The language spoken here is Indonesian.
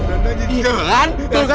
ada yang kerana